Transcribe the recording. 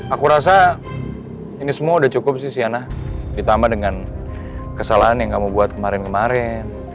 aku rasa ini semua udah cukup sih siana ditambah dengan kesalahan yang kamu buat kemarin kemarin